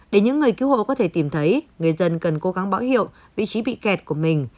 để những người cứu hộ có thể tìm thấy người dân cần cố gắng báo hiệu vị trí bị kẹt của mình